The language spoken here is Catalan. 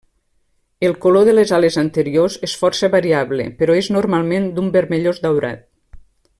El color de les ales anteriors és força variable però és normalment d'un vermellós daurat.